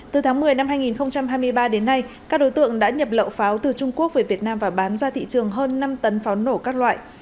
từ tháng một mươi năm hai nghìn hai mươi ba đến nay các đối tượng đã nhập lậu pháo từ trung quốc về việt nam và bán ra thị trường hơn năm tấn pháo nổ các loại